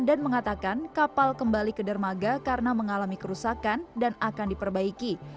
dan mengatakan kapal kembali ke dermaga karena mengalami kerusakan dan akan diperbaiki